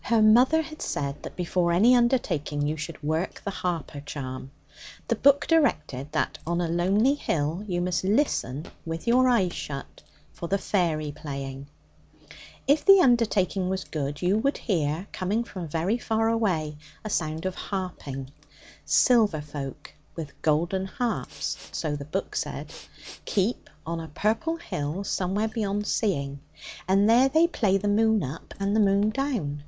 Her mother had said that before any undertaking you should work the Harper charm. The book directed that on a lonely hill, you must listen with your eyes shut for the fairy playing. If the undertaking was good you would hear, coming from very far away, a sound of harping. Silver folk with golden harps, so the book said, keep on a purple hill somewhere beyond seeing, and there they play the moon up and the moon down.